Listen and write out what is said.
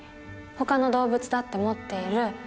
ほかの動物だって持っている。